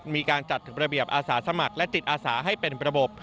มีการจัดระเบียบอาสาสมัครและจิตอาสาให้เป็นระบบ